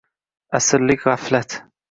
асрлик ғафлат...